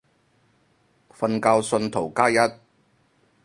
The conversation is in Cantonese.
瞓覺信徒加一